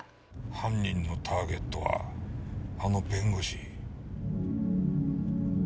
犯人のターゲットはあの弁護士。